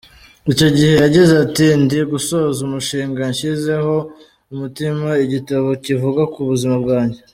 Icyo gihe yagize ati “Ndi gusoza umushinga nshyizeho umutima, igitabo kivuga ku buzima bwanjye.